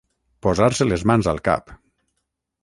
Posar-se les mans al cap.